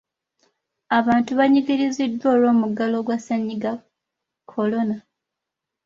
Abantu banyigiriziddwa olw’omuggalo ogwa ssenyiga Kolona.